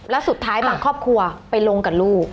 แล้วสุดท้ายบางครอบครัวไปลงกับลูก